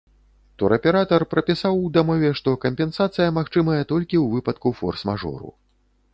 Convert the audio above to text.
Тураператар прапісаў у дамове, што кампенсацыя магчымая толькі ў выпадку форс-мажору.